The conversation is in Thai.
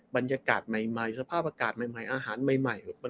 บรรยากาศใหม่สภาพอากาศใหม่อาหารใหม่